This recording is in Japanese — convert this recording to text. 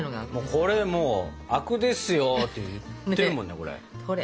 これもうあくですよって言ってるもんねこれ。